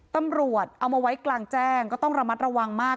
ตำรวจเอามาไว้กลางแจ้งก็ต้องระมัดระวังมาก